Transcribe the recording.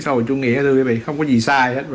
xã hội chủ nghĩa không có gì sai hết